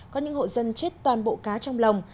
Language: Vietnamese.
có những hộ dân chết toàn bộ cá trong lồng